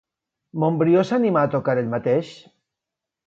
Montbrió s'animà a tocar ell mateix?